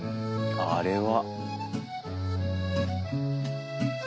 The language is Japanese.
あれは。